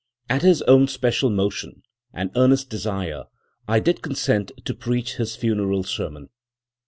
At his own especial motion and earnest desire I did consent to preach his funeral sermon."